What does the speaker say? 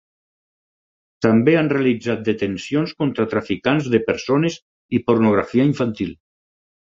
També han realitzat detencions contra traficants de persones i pornografia infantil.